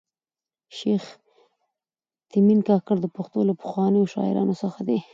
شېخ تیمن کاکړ د پښتو له پخوانیو شاعرانو څخه دﺉ.